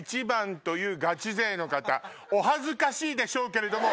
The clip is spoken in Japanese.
お恥ずかしいでしょうけれども。